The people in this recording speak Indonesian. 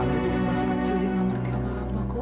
anah dia masih kecil dia gak ngerti apa apa kok